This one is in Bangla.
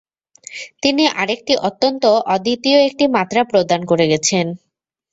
তিনি আরেকটি অত্যন্ত অদ্বিতীয় একটি মাত্রা প্রদান করে গেছেন।